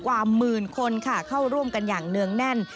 กว่าหมื่นคนค่ะเข้าร่วมกันอย่างเนื่องแน่น